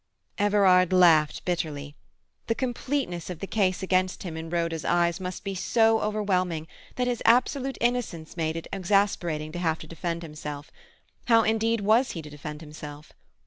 Everard laughed bitterly. The completeness of the case against him in Rhoda's eyes must be so overwhelming, and his absolute innocence made it exasperating to have to defend himself. How, indeed, was he to defend himself?